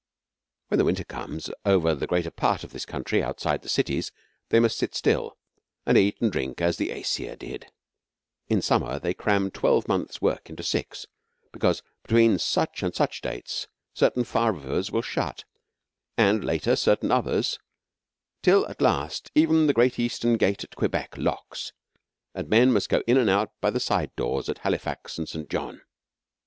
When their winter comes, over the greater part of this country outside the cities they must sit still, and eat and drink as the Aesir did. In summer they cram twelve months' work into six, because between such and such dates certain far rivers will shut, and, later, certain others, till, at last, even the Great Eastern Gate at Quebec locks, and men must go in and out by the side doors at Halifax and St. John.